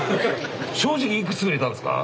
正直いくつ売れたんですか？